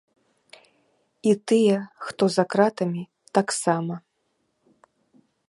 І тыя, хто за кратамі, таксама.